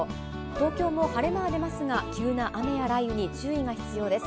東京も晴れ間は出ますが、急な雨や雷雨に注意が必要です。